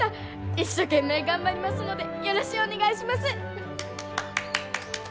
一生懸命頑張りますのでよろしゅうお願いします！